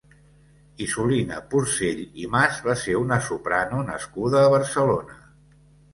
Isolina Porcell i Mas va ser una soprano nascuda a Barcelona.